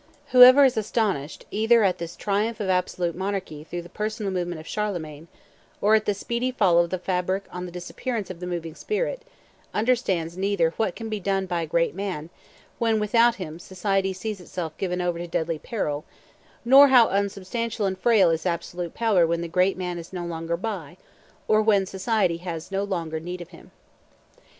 Whoever is astonished either at this triumph of absolute monarchy through the personal movement of Charlemagne, or at the speedy fall of the fabric on the disappearance of the moving spirit, understands neither what can be done by a great man, when without him society sees itself given over to deadly peril, nor how unsubstantial and frail is absolute power when the great man is no longer by, or when society has no longer need of him.